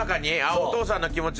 お父さんの気持ちだ。